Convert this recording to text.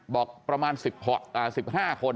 บอกประมาณ๑๕คน